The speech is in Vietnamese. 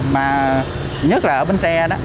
mà nhất là ở bến tre đó